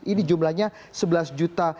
ini jumlahnya sebelas juta